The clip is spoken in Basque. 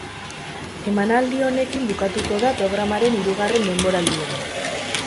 Emanaldi honekin bukatuko da programaren hirugarren denboraldia.